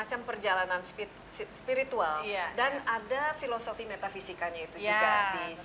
ada filosofi metafisikanya itu juga